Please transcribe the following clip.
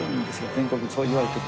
全国そういわれてる。